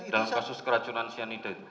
dalam kasus keracunan cyanida itu